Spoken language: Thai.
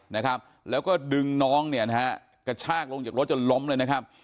นะครับแล้วก็ดึงน้องเนี่ยนะฮะกระชากลงจากรถจนล้มเลยนะครับ